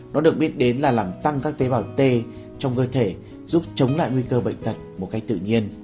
nó được biết đến là làm tăng các tế bào t trong cơ thể giúp chống lại nguy cơ bệnh tật một cách tự nhiên